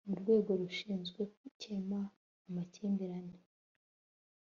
n urwego rushinzwe gukema amakimbirane